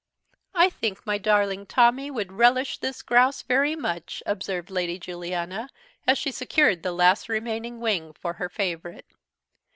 "I think my darling Tommy would relish this grouse very much," observed Lady Juliana, as she secured the last remaining wing for her favourite."